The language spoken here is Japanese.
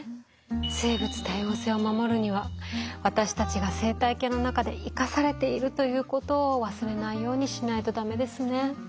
生物多様性を守るには私たちが生態系の中で生かされているということを忘れないようにしないと駄目ですね。